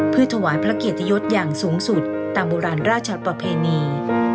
เพื่อถวายพระเกียรติยศอย่างสูงสุดตามโบราณราชประเพณี